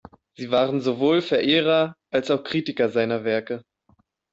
Sie waren sowohl Verehrer als auch Kritiker seiner Werke.